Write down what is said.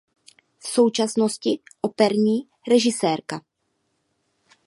V současnosti operní režisérka.